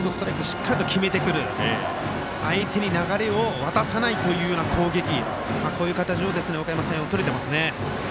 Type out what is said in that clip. しっかりと決めてくる、相手に流れを渡さないというような攻撃、こういう形をおかやま山陽はとれていますね。